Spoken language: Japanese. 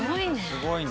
すごいね。